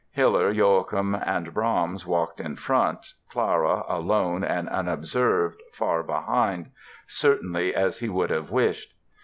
Hiller, Joachim and Brahms walked in front, Clara, alone and unobserved, far behind—"certainly as he would have wished".